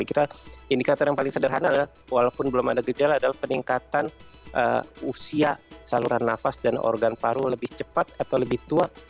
jadi kita indikator yang paling sederhana adalah walaupun belum ada gejala adalah peningkatan usia saluran nafas dan organ paru lebih cepat atau lebih tua